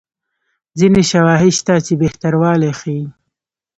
ځیني شواهد شته چې بهتروالی ښيي.